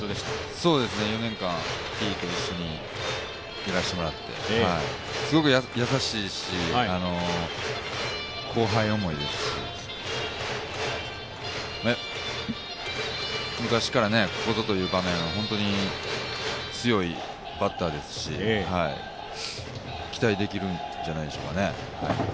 そうですね、４年間、Ｔと一緒にやらせてもらって、すごく優しいし、後輩思いですし、昔からここぞという場面は本当に強いバッターですし、期待できるんじゃないでしょうかね。